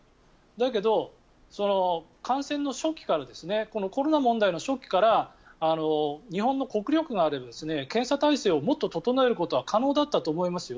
だけど、感染の初期からコロナ問題の初期から日本の国力があれば検査体制をもっと整えることは可能だったと思いますよ。